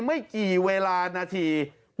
ไม่กี่เวลานาที